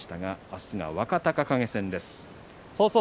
明日は若隆景戦です。